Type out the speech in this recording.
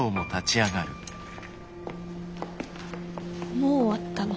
もう終わったの？